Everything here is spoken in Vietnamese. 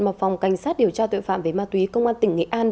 mà phòng cảnh sát điều tra tội phạm về ma túy công an tỉnh nghệ an